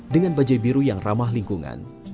dengan bajaj biru yang ramah lingkungan